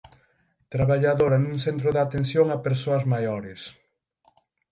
Traballadora nun centro de atención a persoas maiores.